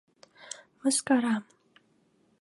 Мыскара